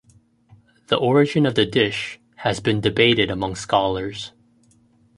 The origin of the dish has been debated among scholars.